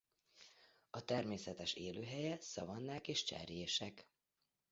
A természetes élőhelye szavannák és cserjések.